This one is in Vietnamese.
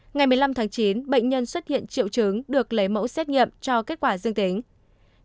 ngày một mươi năm tháng chín bệnh nhân xuất hiện triệu chứng được lấy mẫu xét nghiệm cho kết quả dương tính